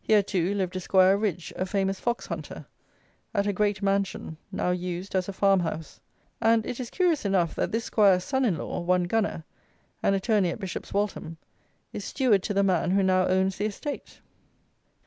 Here, too, lived a 'Squire Ridge, a famous fox hunter, at a great mansion, now used as a farmhouse; and it is curious enough that this 'Squire's son in law, one Gunner, an attorney at Bishop's Waltham, is steward to the man who now owns the estate.